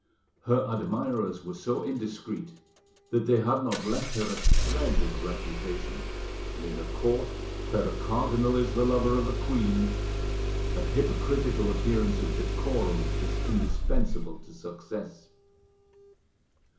Her admirers were so indiscreet that they had not left her a shred of reputation, and in a court where a cardinal is the lover of a queen, a hypocritical appearance of decorum is indispensable to success.